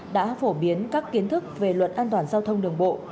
đã phổ biến các kiến thức về luật an toàn giao thông đường bộ